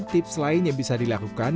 tips lain yang bisa dilakukan